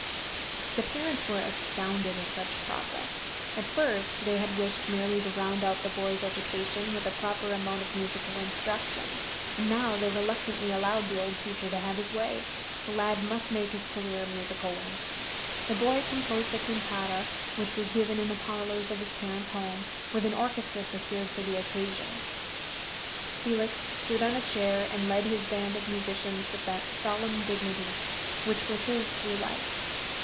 The parents were astounded at such progress. At first they had wished merely to round out the boy's education with a proper amount of musical instruction, and now they reluctantly allowed the old teacher to have his way the lad must make his career a musical one. The boy composed a cantata, which was given in the parlors of his parents' home, with an orchestra secured for the occasion. Felix stood on a chair and led his band of musicians with that solemn dignity which was his through life.